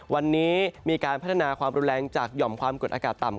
วันนี้มีการพัฒนาความรุนแรงจากหย่อมความกดอากาศต่ำ